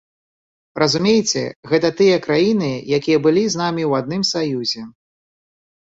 Разумееце, гэта тыя краіны, якія былі з намі ў адным саюзе.